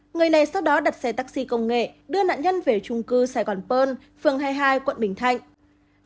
người này sau đó đặt xe taxi công nghệ đưa nạn nhân về trung cư sài gòn pơn phường hai mươi hai quận bình thạnh